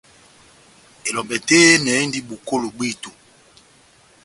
Elombɛ tɛ́h yehenɛ endi bokolo bwito.